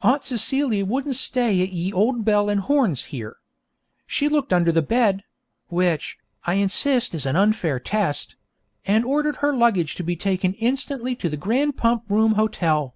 Aunt Celia wouldn't stay at Ye Olde Bell and Horns here. She looked under the bed (which, I insist, was an unfair test), and ordered her luggage to be taken instantly to the Grand Pump Room Hotel.